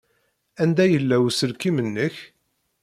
Anda yella uselkim-nnek?